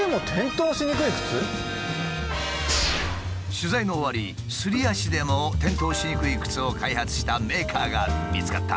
取材の終わりすり足でも転倒しにくい靴を開発したメーカーが見つかった。